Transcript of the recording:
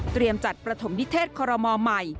เตรียมจัดประถมนิเทศคอรมมอล์ใหม่